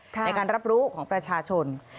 ในการรับรู้ของประชาชน